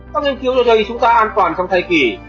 có nghiên cứu cho thấy chúng ta an toàn trong thai kỷ